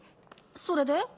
それで？